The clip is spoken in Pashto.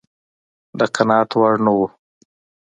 د قناعت وړ نه و.